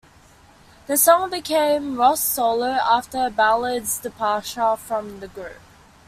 The song became a Ross solo after Ballard's departure from the group.